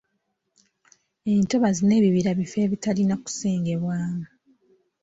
Entobazi n'ebibira bifo ebitalina kusengebwamu.